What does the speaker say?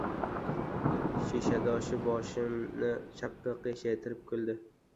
Shishadoshi boshini chapga qiyshaytirib kuldi.